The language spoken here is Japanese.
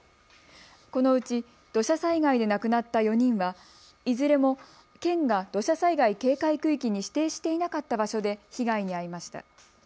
このうち土砂災害で亡くなった４人はいずれも県が土砂災害警戒区域に指定していなかった場所で被害に遭いました。